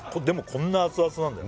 こんな熱々なんだよ